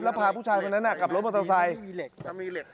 แล้วพาผู้ชายคนนั้นกลับรถมอเตอร์ไซค์